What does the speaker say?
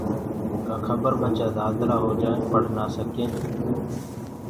ڪآ کبر ٻچآ دآدلآ هوجآئين پڙه نآ سڪين